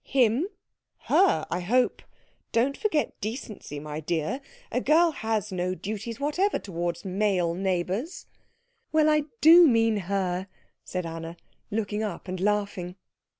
"Him? Her, I hope. Don't forget decency, my dear. A girl has no duties whatever towards male neighbours." "Well, I do mean her," said Anna, looking up and laughing.